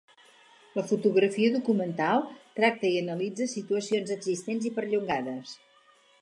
La fotografia documental tracta i analitza situacions existents i perllongades.